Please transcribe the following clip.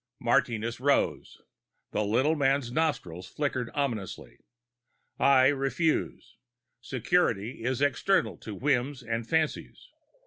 Martinez rose. The little man's nostrils flickered ominously. "I refuse. Security is external to whims and fancies.